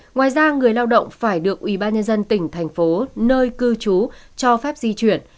ngoài ra người lao động phải được ubnd tỉnh thành phố nơi cư trú cho phép di chuyển